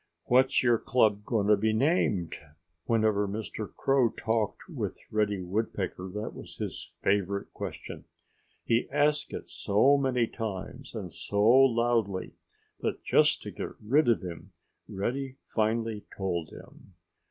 "What's your club going to be named?" Whenever Mr. Crow talked with Reddy Woodpecker that was his favorite question. He asked it so many times and so loudly that just to get rid of him Reddy finally told him.